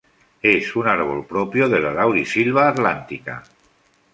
Es un árbol propio de la laurisilva atlántica.